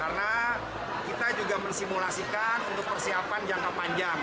karena kita juga mensimulasikan untuk persiapan jangka panjang